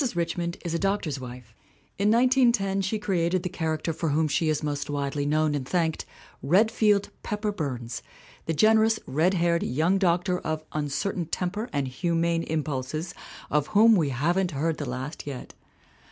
Richmond is a doctor's wife. In 1910 she created the character for whom she is most widely known and thanked Redfield Pepper Burns, the gen erous, red haired young doctor of uncertain temper and humane impulses of whom we haven't heard the last yet.